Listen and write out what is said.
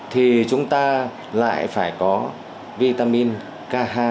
thì chúng ta lại phải có vitamin k hai